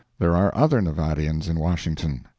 There are other Nevadians in Washington.